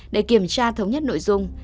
để kiểm tra thống nhất nội dung